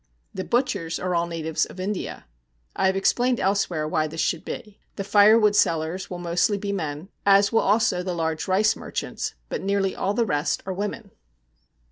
The butchers are all natives of India. I have explained elsewhere why this should be. The firewood sellers will mostly be men, as will also the large rice merchants, but nearly all the rest are women.